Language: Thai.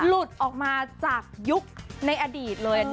หลุดออกมาจากยุคในอดีตเลย